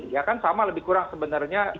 ya kan sama lebih kurang sebenarnya